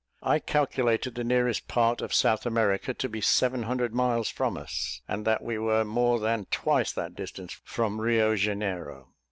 I calculated the nearest part of South America to be seven hundred miles from us, and that we were more than twice that distance from Rio Janeiro.